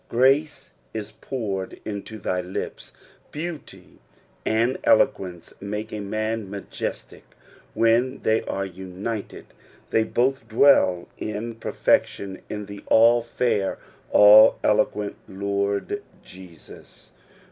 "Oraee u poured into thy lipi." Beauty and eloquence make a man miijcstic when they are united ; they both dwell In ))erfectioa in the all fair, all eloquent Lord Jesus.